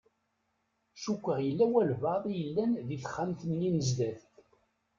Cukkeɣ yella walebɛaḍ i yellan di texxamt-nni n zdat.